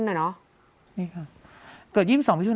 ไฮน้องเบ็บ